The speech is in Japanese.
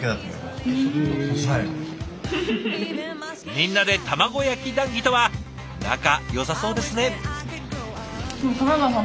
みんなで卵焼き談議とは仲よさそうですね！